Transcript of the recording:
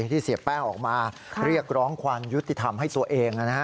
ที่เสียแป้งออกมาเรียกร้องความยุติธรรมให้ตัวเอง